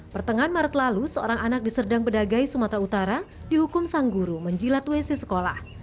pertengahan maret lalu seorang anak di serdang bedagai sumatera utara dihukum sang guru menjilat wc sekolah